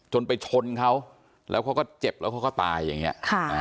ไปชนเขาแล้วเขาก็เจ็บแล้วเขาก็ตายอย่างนี้